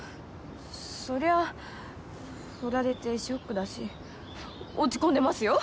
そりゃフラれてショックだし落ち込んでますよ！